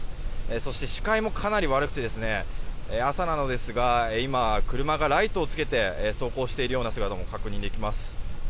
そして、視界もかなり悪くて朝なんですが今、車がライトをつけて走行しているような姿も確認できます。